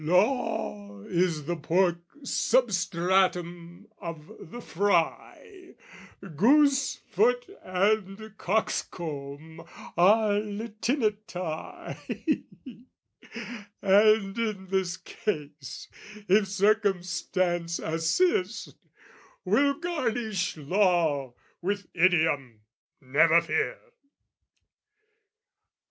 "Law is the pork substratum of the fry, "Goose foot and cock's comb are Latinity," And in this case, if circumstance assist, We'll garnish law with idiom, never fear!